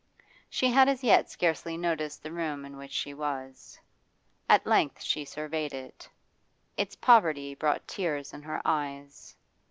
She had as yet scarcely noticed the room in which she was. At length she surveyed it; its poverty brought tears in her eyes.